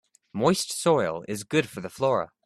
Moist soil is good for the flora.